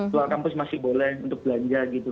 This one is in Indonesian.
keluar kampus masih boleh untuk belanja gitu